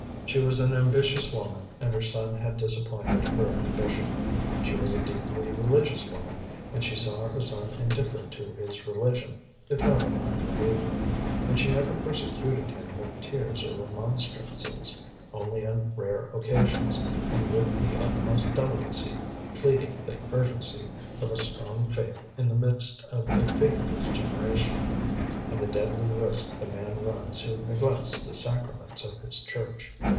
She was an ambitious woman, and her son had disappointed her ambition. She was a deeply religious woman, and she saw her son indifferent to his religion, if not an unbeliever; and she never persecuted him with tears and remonstrances, only on rare occasions, and with the utmost delicacy, pleading the urgency of a strong faith in the midst of a faithless generation, and the deadly risk the man runs who neglects the sacraments of his Church.